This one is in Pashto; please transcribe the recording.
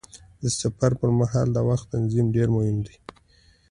د سفر پر مهال د وخت تنظیم ډېر مهم دی.